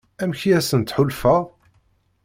Amek i asen-tḥulfaḍ?